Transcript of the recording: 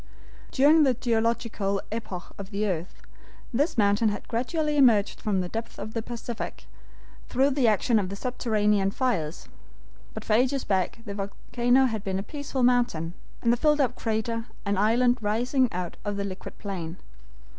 During the geological epochs of the earth, this mountain had gradually emerged from the depths of the Pacific, through the action of the subterranean fires, but for ages back the volcano had been a peaceful mountain, and the filled up crater, an island rising out of the liquid plain.